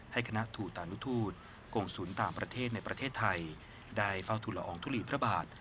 คณะถูตานุทูตกงศูนย์ต่างประเทศในประเทศไทยได้เฝ้าทุลอองทุลีพระบาท